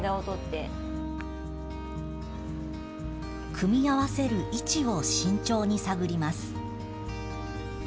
組み合わせる位置を慎重に探ります。